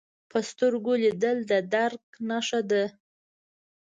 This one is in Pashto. په سترګو لیدل د درک نښه ده